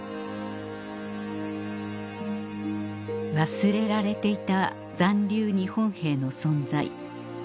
忘れられていた残留日本兵の存在